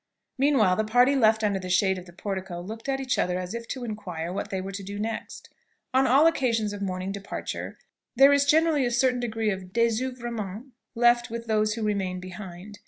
Meanwhile the party left under the shade of the portico looked at each other as if to inquire what they were to do next. On all occasions of morning departure there is generally a certain degree of désoeuvrement left with those who remain behind.